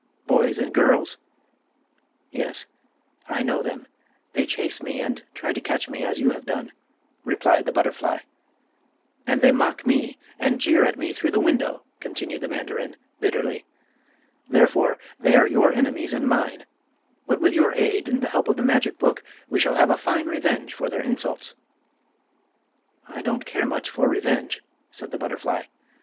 —boys and girls?" "Yes, I know them. They chase me, and try to catch me, as you have done," replied the butterfly. "And they mock me, and jeer at me through the window," continued the mandarin, bitterly. "Therefore, they are your enemies and mine! But with your aid and the help of the magic book we shall have a fine revenge for their insults." "I don't care much for revenge," said the butterfly.